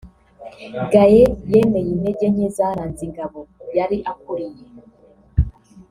Gaye yemeye intege nke zaranze ingabo yari akuriye